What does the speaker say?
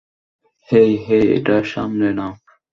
হেই, hey, hey, এটা সামলে নাও।